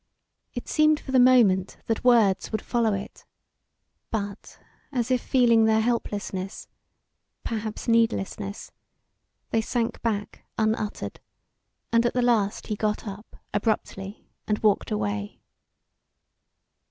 It seemed for the moment that words would follow it, but as if feeling their helplessness perhaps needlessness they sank back unuttered, and at the last he got up, abruptly, and walked away.